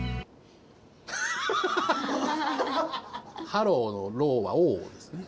ハローの「ロー」は「ｏ」ですね。